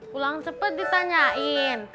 pulang cepet ditanyain